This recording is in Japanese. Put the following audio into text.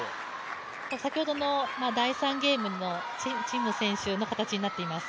先ほどの第３ゲームの陳夢選手の形になっています。